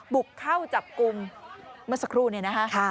บุกเข้าจับกลุ่มเมื่อสักครู่เนี่ยนะคะ